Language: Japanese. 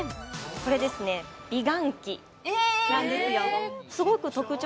これですね美顔器なんですよえ！？